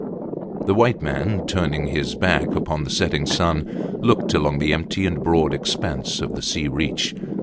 The white man, turning his back upon the setting sun, looked along the empty and broad expanse of the sea reach.